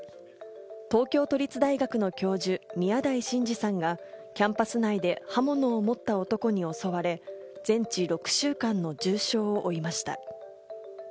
東京都立大学の教授・宮台真司さんがキャンパス内で刃物を持った男に襲われ、全治６週間の重傷を負いました。